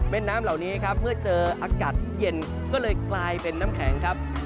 น้ำเหล่านี้ครับเมื่อเจออากาศที่เย็นก็เลยกลายเป็นน้ำแข็งครับ